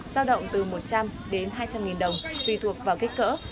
giao động từ một trăm linh đến hai trăm linh nghìn đồng tùy thuộc vào kích cỡ